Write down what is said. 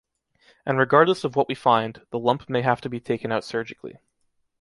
And regardless of what we find, the lump may have to be taken out surgically.